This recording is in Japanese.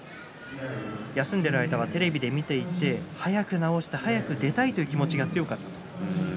休んでいる間はテレビで見ていて早く治して早く出たいという気持ちが強かった。